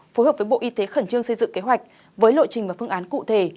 phối hợp với bộ y tế khẩn trương xây dựng kế hoạch với lộ trình và phương án cụ thể